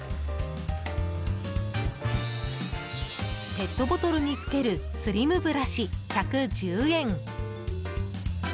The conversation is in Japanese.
ペットボトルにつけるスリムブラシ、１１０円。